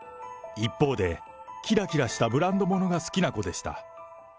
一方で、きらきらしたブランドものが好きな子でした。